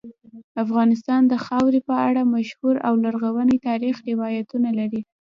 افغانستان د خاورې په اړه مشهور او لرغوني تاریخی روایتونه لري.